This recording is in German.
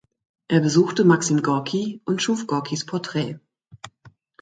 Er besuchte Maxim Gorki und schuf Gorkis Porträt.